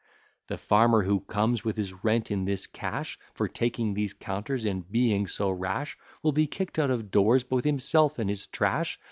The farmer who comes with his rent in this cash, For taking these counters and being so rash, Will be kick'd out of doors, both himself and his trash.